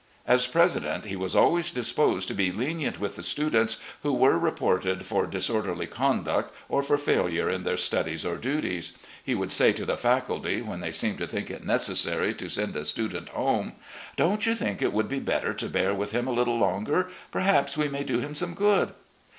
As president, he was always disposed to be lenient with students who were reported for disorderly conduct or for failure in their studies or duties. He would say to the faculty, when they seemed to think it necessary to send a student home; " Don't you think it would be better to bear with him a little longer? Perhaps we may do him some good."